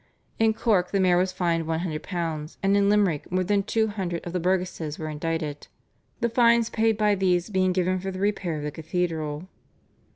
In Cork the mayor was fined £100, and in Limerick more than two hundred of the burgesses were indicted, the fines paid by these being given for the repair of the cathedral.